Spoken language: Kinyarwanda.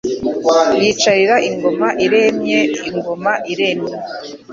yicarira ingoma iremye Ingoma iremye